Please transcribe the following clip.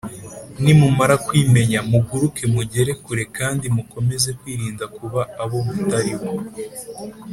nimumara kwimenya, muguruke mugere kure kandi mukomeze kwirinda kuba abo mutari bo